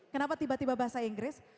kenapa tiba tiba bahasa inggris